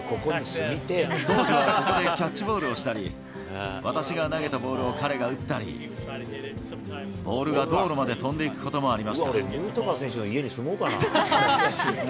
当時はここでキャッチボールをしたり、私が投げたボールを彼が打ったり、ボールが道路まで飛んでいくこともありました。